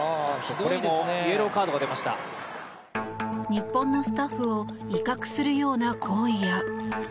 日本のスタッフを威嚇するような行為や。